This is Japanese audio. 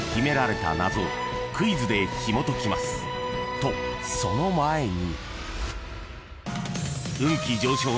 ［とその前に］